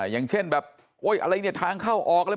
อย่างเช่นแบบอะไรเนี่ยทางเข้าออกเลย